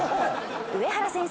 上原先生。